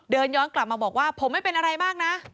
เดินย้อนกลับมาบอกว่าผมไม่เป็นอะไรมากนะ